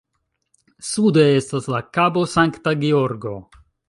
Sude estas la Kabo Sankta Georgo.